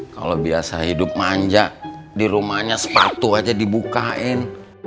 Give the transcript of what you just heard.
kalau biasa hidup manja di rumahnya sepatu aja dibukain